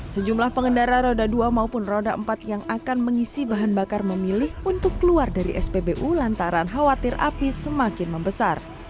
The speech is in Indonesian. sejumlah pengendara roda dua maupun roda empat yang akan mengisi bahan bakar memilih untuk keluar dari spbu lantaran khawatir api semakin membesar